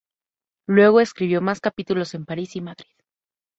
Luego escribió más capítulos en París y Madrid.